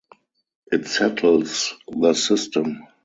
It settles the system.